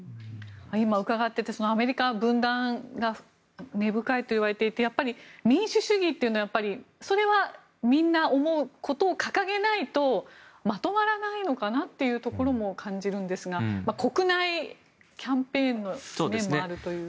今、伺っていてアメリカは分断が根深いといわれていてやっぱり、民主主義というのはそれは、みんな思うことを掲げないと、まとまらないのかなというところも感じるんですが国内キャンペーンの面もあるという。